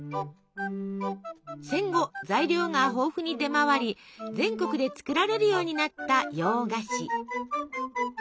戦後材料が豊富に出回り全国で作られるようになった洋菓子。